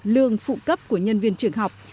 lương phụ cấp của nhân viên trường học